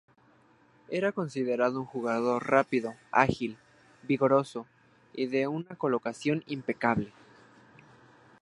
Era considerado un jugador rápido, ágil, vigoroso y de una colocación impecable.